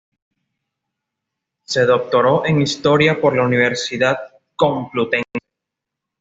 Se doctoró en Historia por la Universidad Complutense.